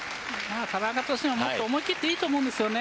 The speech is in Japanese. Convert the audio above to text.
田中としても、もっと思い切っていいと思います。